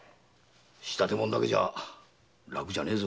仕立て物だけじゃ楽じゃねえぞ。